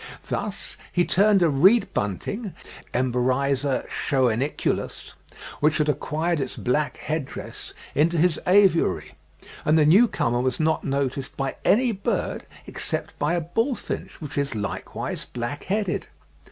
Thus he turned a reed bunting (Emberiza schoeniculus), which had acquired its black head dress, into his aviary, and the new comer was not noticed by any bird, except by a bullfinch, which is likewise black headed.